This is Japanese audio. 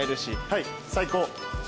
はい最高。